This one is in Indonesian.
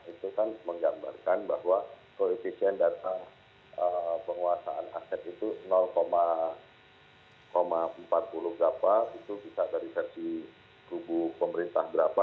itu kan menggambarkan bahwa koefisien data penguasaan aset itu empat puluh berapa itu bisa dari versi kubu pemerintah berapa